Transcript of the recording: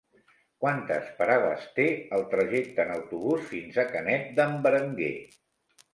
Quantes parades té el trajecte en autobús fins a Canet d'en Berenguer?